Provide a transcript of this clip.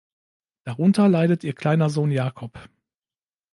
Darunter leidet ihr kleiner Sohn Jacob.